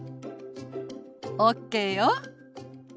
ＯＫよ。